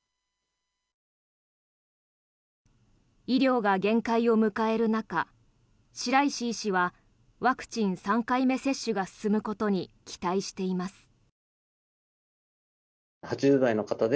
医療が限界を迎える中白石医師はワクチン３回目接種が進むことに期待しています。